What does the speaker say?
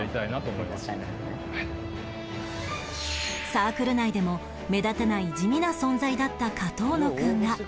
サークル内でも目立たない地味な存在だった上遠野くんが